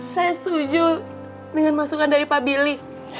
saya setuju dengan masukan dari pak billy